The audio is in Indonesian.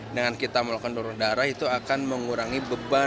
dengan kita melakukan donor darah itu akan mengurangi